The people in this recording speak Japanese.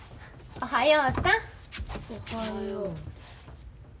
おはよう。